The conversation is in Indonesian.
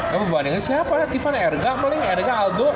ya berbanding siapa ya tivan erga paling erga aldo